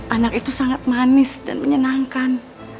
anak itu sangat manis dan menyenangkan